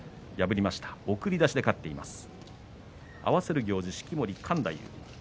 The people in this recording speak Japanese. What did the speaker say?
送り出しで勝っています。